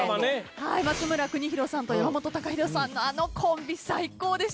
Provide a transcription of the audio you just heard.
松村邦洋さんと山本高広さんのあのコンビ最高でしたね。